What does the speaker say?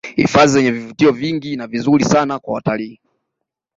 Hifadhi yenye vivutio vingi na vizuri sana kwa watalii